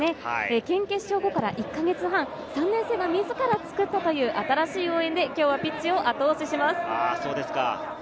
県の決勝後から１か月半、３年生が自ら作った新しい応援で今日はピッチを後押しします。